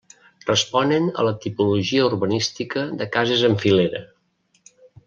Responen a la tipologia urbanística de cases en filera.